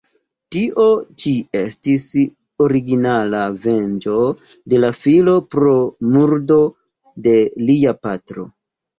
Tio ĉi estis originala venĝo de la filo pro murdo de lia patro.